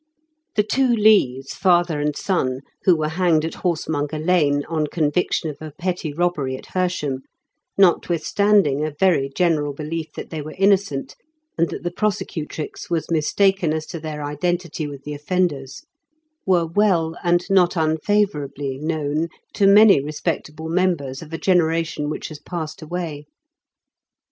The two Lees, father and son, who were hanged at Horsemonger Lane, on conviction of a petty robbery at Hersham, notwithstanding a very general belief that they were innocent, and that the prosecutrix was mistaken as to their identity with the offenders, were well, and not unfavourably, known to many respectable members of a 38 IN KENT WITH CHARLES BICKENS. generation which has passed away.